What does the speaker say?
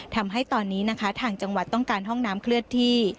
ทำให้ตอนนี้นะคะทางจังหวัดต้องการห้องน้ำเคลื่อนที่